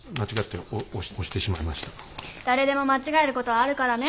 誰でも間違えることはあるからね。